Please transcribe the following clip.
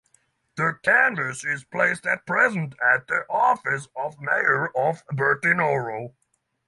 The canvas is placed at present at the office of Mayor of Bertinoro.